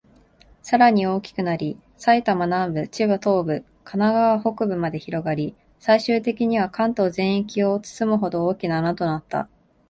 さらに大きくなり、埼玉南部、千葉東部、神奈川北部まで広がり、最終的には関東全域を包むほど、大きな穴となった。